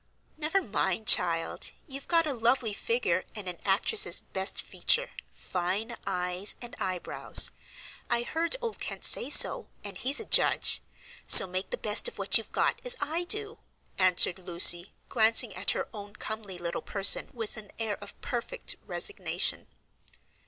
"Never mind, child; you've got a lovely figure, and an actress's best feature,—fine eyes and eyebrows. I heard old Kent say so, and he's a judge. So make the best of what you've got, as I do," answered Lucy, glancing at her own comely little person with an air of perfect resignation.